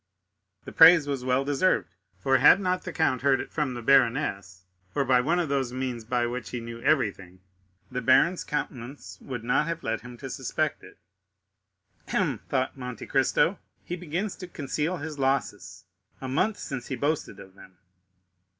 The praise was well deserved, for had not the count heard it from the baroness, or by one of those means by which he knew everything, the baron's countenance would not have led him to suspect it. "Hem," thought Monte Cristo, "he begins to conceal his losses; a month since he boasted of them."